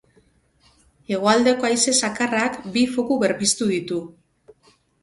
Hegoaldeko haize zakarrak bi foku berpiztu ditu.